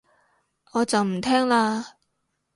我就唔聽喇